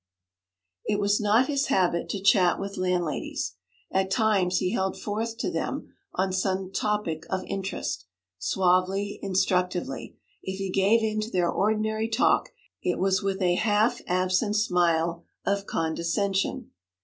It was not his habit to chat with landladies. At times he held forth to them on some topic of interest, suavely, instructively; if he gave in to their ordinary talk, it was with a half absent smile of condescension.